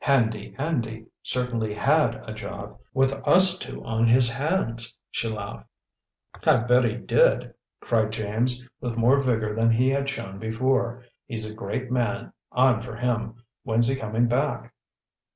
"Handy Andy certainly had a job, with us two on his hands!" she laughed. "I bet he did!" cried James, with more vigor than he had shown before. "He's a great man; I'm for him! When's he coming back?"